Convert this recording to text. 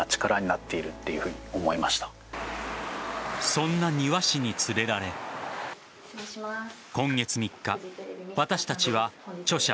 そんな丹羽氏に連れられ今月３日、私たちは著者・